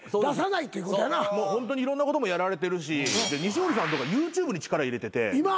もうホントにいろんなこともやられてるし西堀さんとかＹｏｕＴｕｂｅに力入れてて。